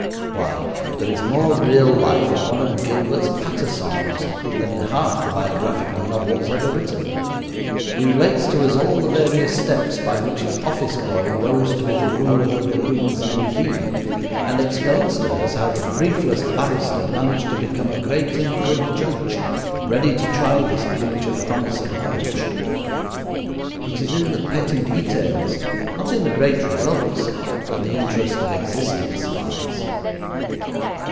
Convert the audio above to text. Why, there is more real life in one of Gilbert's patter songs than in half the biographical novels ever written. He relates to us all the various steps by which his office boy rose to be the "ruler of the queen's navee," and explains to us how the briefless barrister managed to become a great and good judge, "ready to try this breach of promise of marriage." It is in the petty details, not in the great results, that the interest of existence lies.